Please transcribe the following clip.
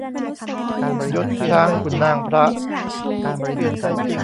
ยศช้างขุนนางพระ